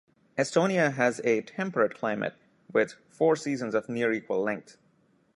Estonia has a temperate climate, with four seasons of near-equal length.